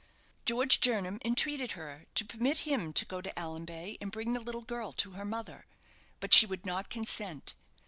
George Jernam entreated her to permit him to go to Allanbay and bring the little girl to her mother, but she would not consent.